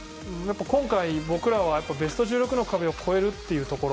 今回、僕らはベスト１６の壁を越えるっていうところ。